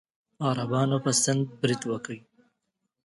عربانو په سند برید وکړ.